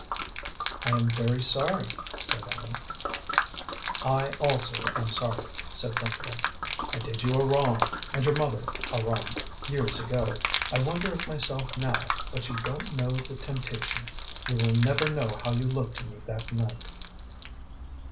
"I am very sorry," said Ellen. "I also am sorry," said Cynthia. "I did you a wrong, and your mother a wrong, years ago. I wonder at myself now, but you don't know the temptation. You will never know how you looked to me that night."